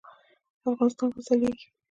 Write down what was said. افغانستان به ځلیږي